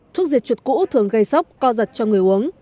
thuốc diệt chuột cũ thường gây sốc co giật cho người uống